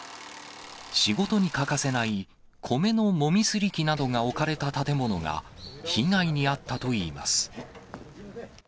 仕事に欠かせない米のもみすり機などが置かれた建物が被害に遭ったといいます。